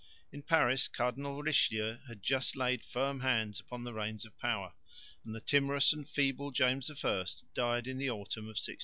In Paris Cardinal Richelieu had just laid firm hands upon the reins of power, and the timorous and feeble James I died in the autumn of 1625.